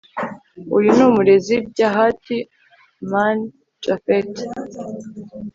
uyu numurezi byahati mn japhet